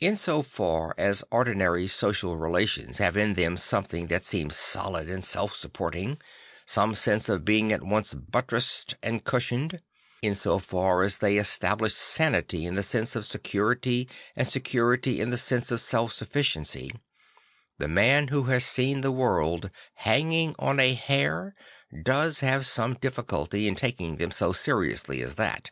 In so far as ordinary social rela tions have in them something that seems solid and self supporting, some sense of being at once buttressed and cushioned; in so far as they estab lish sanity in the sense of security and security in the sense of self sufficiency, the man who has seen the world hanging on a hair does have some difficulty in taking them so seriously as that.